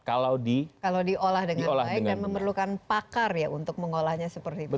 kalau diolah dengan baik dan memerlukan pakar ya untuk mengolahnya seperti itu